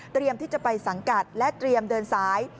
ที่จะไปสังกัดและเตรียมเดินสาย